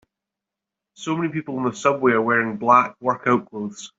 So many people on the subway are wearing black workout clothes.